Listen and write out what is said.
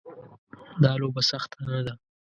دا لوبه سخته نه ده.